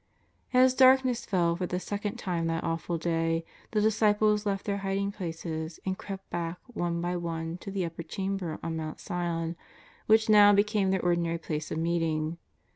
As darkness fell for the second time that awful day, the disciples left their hiding places and crept back one by one to the Upper Chamber on Mount Sion, which now became their ordinary place of meeting.